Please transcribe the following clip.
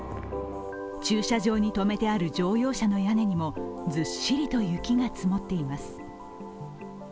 駐車場に止めてある乗用車の屋根にもずっしりと雪が積もっています。